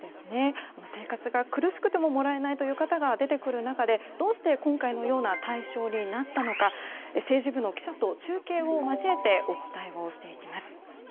生活が苦しくてももらえないという方が出てくる中でどうして今回のような対象になったのか政治部の記者と中継を交えてお伝えをしていきます。